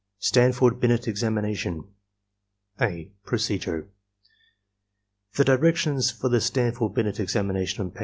STANFORD BINET EXAMINATION (a) PROCEDURE * The directions for the Stanford Binet examination on pp.